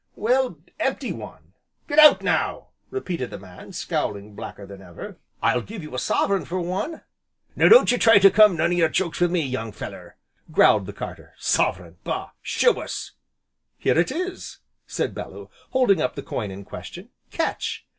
"Well, empty one." "Get out, now!" repeated the man, scowling blacker than ever. "I'll give you a sovereign for one." "Now, don't ye try to come none o' your jokes wi' me, young feller!" growled the carter. "Sovereign! bah! Show us." "Here it is," said Bellew, holding up the coin in question. "Catch!"